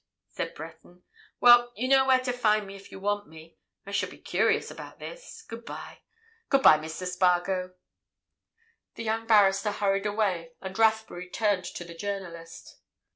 said Breton. "Well, you know where to find me if you want me. I shall be curious about this. Good bye—good bye, Mr. Spargo." The young barrister hurried away, and Rathbury turned to the journalist.